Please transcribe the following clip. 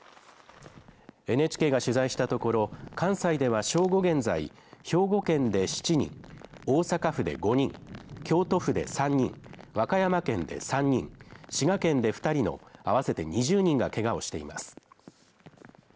ＮＨＫが取材したところ、関西では正午現在、兵庫県で７人、大阪府で５人、京都府で３人、和歌山県で３人、滋賀県で２人の、合わせて２０人がけがをしています。